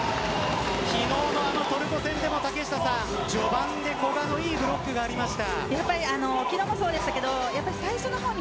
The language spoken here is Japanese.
昨日のトルコ戦でも序盤で古賀のいいブロックポイントがありました。